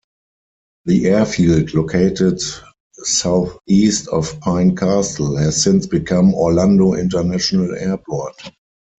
The airfield, located southeast of Pine Castle, has since become Orlando International Airport.